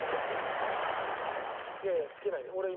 いやいや好きなように。